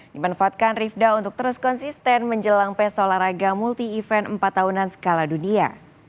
dimanfaatkan rifda untuk terus konsisten menjelang pesta olahraga multi event empat tahunan skala dunia